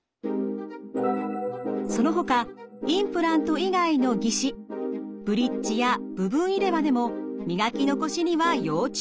そのほかインプラント以外の義歯ブリッジや部分入れ歯でも磨き残しには要注意。